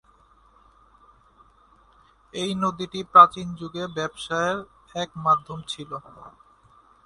এই নদীটি প্রাচীন যুগে ব্যবসায়ের এক মাধ্যম ছিল।